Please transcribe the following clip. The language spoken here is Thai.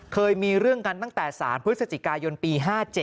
เคยมีเรื่องกันตั้งแต่๓พฤศจิกายนปี๕๗